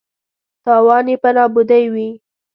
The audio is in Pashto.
تاوان یې په نابودۍ وي.